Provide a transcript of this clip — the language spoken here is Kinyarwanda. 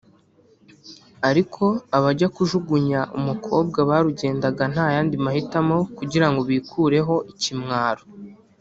ariko abajya kujugunya umukobwa barugendaga nta yandi mahitamo kugira ngo bikureho ikimwaro